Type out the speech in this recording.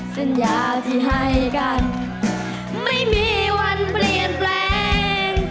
สัญญาที่ให้กันไม่มีวันเปลี่ยนแปลง